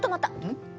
ん？